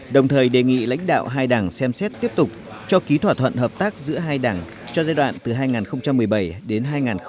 đồng thời đề nghị lãnh đạo hai đảng xem xét tiếp tục cho ký thỏa thuận hợp tác giữa hai đảng cho giai đoạn từ hai nghìn một mươi bảy đến hai nghìn hai mươi